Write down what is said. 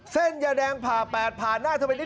เส้นยาแดงผ่าแปดผ่านหน้าทำไมเนี่ย